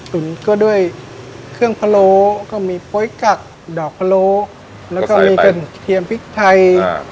ตุ๋นก็ด้วยเครื่องพะโล้ก็มีโป๊ยกักดอกพะโลแล้วก็มีกระเทียมพริกไทยครับ